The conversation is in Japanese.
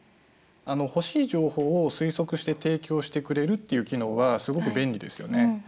あの欲しい情報を推測して提供してくれるっていう機能はすごく便利ですよね。